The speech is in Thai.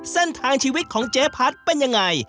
เส้นทางชีวิตของเจ๊พัดเป็นยังไง